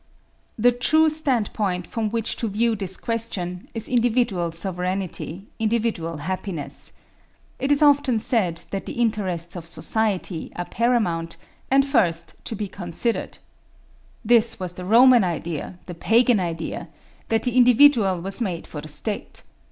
"The true standpoint from which to view this question is individual sovereignty, individual happiness. It is often said that the interests of society are paramount, and first to be considered. This was the Roman idea, the Pagan idea, that the individual was made for the State.